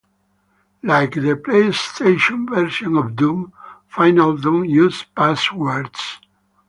Like the PlayStation version of "Doom", "Final Doom" uses passwords.